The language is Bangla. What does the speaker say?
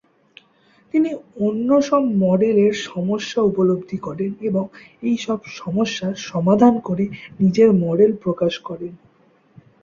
তিনি অন্য সব মডেলের সমস্যা উপলব্ধি করেন এবং এই সব সমস্যার সমাধান করে নিজের মডেল প্রকাশ করেন।